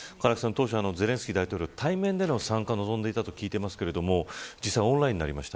当初、ゼレンスキー大統領対面での参加を望んでいたと聞いていましたがオンラインになりました